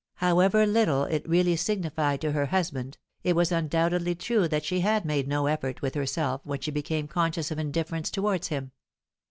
However little it really signified to her husband, it was undoubtedly true that she had made no effort with herself when she became conscious of indifference towards him.